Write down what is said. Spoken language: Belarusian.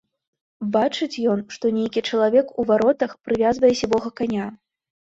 Бачыць ён, што нейкі чалавек у варотах прывязвае сівога каня.